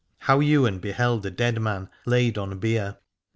HOW YWAIN BEHELD A DEAD MAN LAID ON BIER.